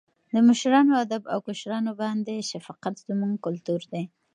د مشرانو ادب او کشرانو باندې شفقت زموږ کلتور دی.